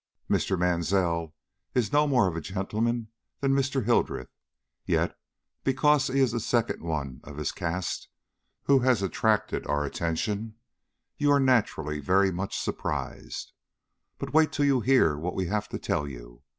"Mr. Mansell is no more of a gentleman than Mr. Hildreth; yet, because he is the second one of his caste who has attracted our attention, you are naturally very much surprised. But wait till you hear what we have to tell you.